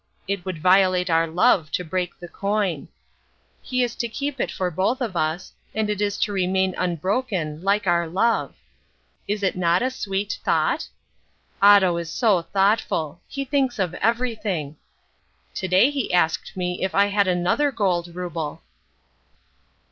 It would violate our love to break the coin. He is to keep it for both of us, and it is to remain unbroken like our love. Is it not a sweet thought? Otto is so thoughtful. He thinks of everything. To day he asked me if I had another gold rouble.